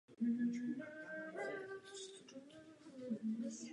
Často však je něčím ještě více.